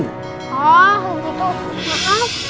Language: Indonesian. oh begitu maaf